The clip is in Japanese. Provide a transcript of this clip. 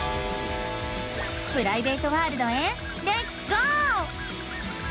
プライベートワールドへレッツゴー！